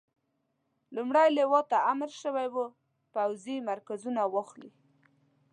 لومړۍ لواء ته امر شوی وو پوځي مرکزونه واخلي.